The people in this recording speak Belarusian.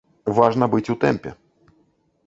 Важна быць у тэмпе.